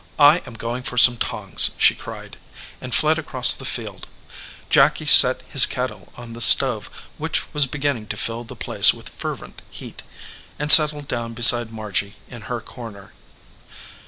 "I am going for some tongs," she cried, and fled across the field. Jacky set his kettle on the stove, which was beginning to fill the place with fervent heat, and settled down beside Margy in her corner.